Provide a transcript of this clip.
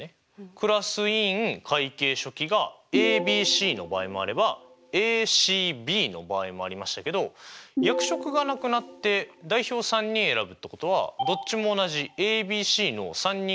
クラス委員会計書記がＡＢＣの場合もあればＡＣＢの場合もありましたけど役職がなくなって代表３人選ぶってことはどっちも同じＡＢＣの３人組ってことですもんね。